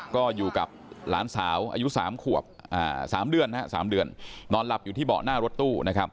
ก็อยู่กับหลานสาวอายุ๓ขวบ๓เดือน๓เดือนนอนหลับอยู่ที่เบาะหน้ารถตู้นะครับ